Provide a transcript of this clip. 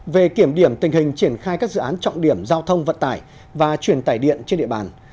về kiểm điểm tình hình triển khai các dự án trọng điểm giao thông vận tải và truyền tải điện trên địa bàn